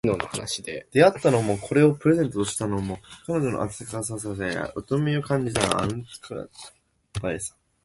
出会ったのも、これをプレゼントしたのも、彼女の温かさや重みを感じたのも、あの頃だった